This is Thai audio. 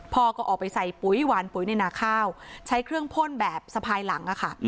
พ่อก็ออกไปใส่ปุ๋ยหวานปุ๋ยในหนาข้าวใช้เครื่องพ่นแบบสะพายหลังค่ะ